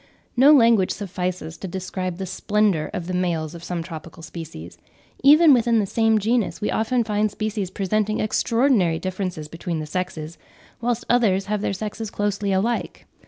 No language suffices to describe the splendour of the males of some tropical species. Even within the same genus we often find species presenting extraordinary differences between the sexes, whilst others have their sexes closely alike.